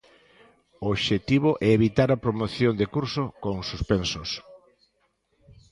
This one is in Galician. O obxectivo é evitar a promoción de curso con suspensos.